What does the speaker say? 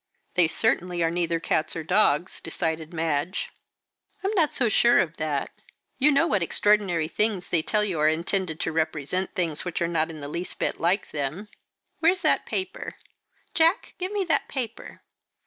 "They certainly are neither cats or dogs," decided Madge. "I'm not so sure of that; you know what extraordinary things they tell you are intended to represent things which are not in the least bit like them. Where's that paper? Jack, give me that paper."